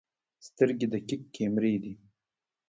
سترګې دقیق کیمرې دي.